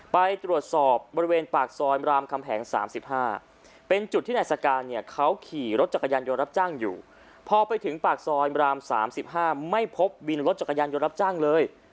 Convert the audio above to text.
ไปตรวจสอบบริเวณปากซอยรามคำแหง๓๕เป็นจุดที่นายสการเนี่ยเขาขี่รถจักรยานยนต์รับจ้างอยู่พอไปถึงปากซอยราม๓๕ไม่พบวินรถจักรยานยนต์รับจ้างเลย